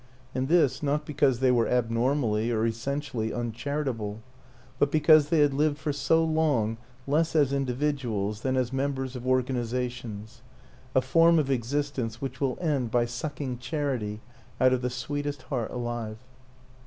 And this not because they were abnormally or essentially uncharitable, but because they had lived for so long less as indi viduals than as members of organizations a form of existence which will end by sucking char ity out of the sweetest heart alive.